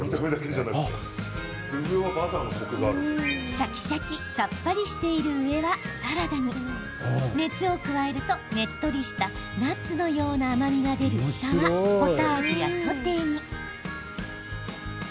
シャキシャキさっぱりしている上はサラダに熱を加えると、ねっとりしたナッツのような甘みが出る下はポタージュやソテーに。